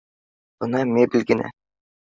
— Бына мебель генә